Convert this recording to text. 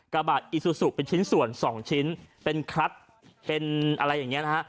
กระบะอีซูซูเป็นชิ้นส่วน๒ชิ้นเป็นครัดเป็นอะไรอย่างนี้นะฮะ